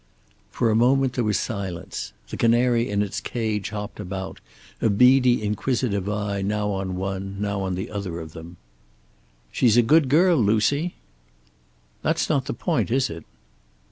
For a moment there was silence. The canary in its cage hopped about, a beady inquisitive eye now on one, now on the other of them. "She's a good girl, Lucy." "That's not the point, is it?"